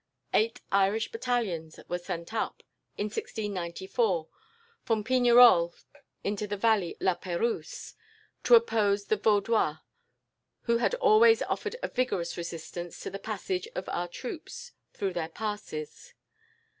Eight Irish battalions were sent up, in 1694, from Pignerolle into the valley of La Perouse, to oppose the Vaudois, who had always offered a vigorous resistance to the passage of our troops through their passes.